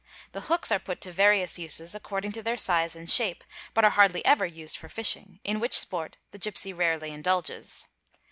The — hooks are put to various uses according to their size and shape but are — hardly ever used for fishing, in which sport the gipsy rarely indulges.